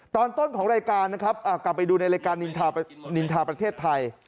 ตอนต้นของรายการนะครับกลับไปดูในรายการนินทาประเทศไทย